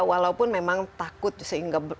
walaupun memang takut sehingga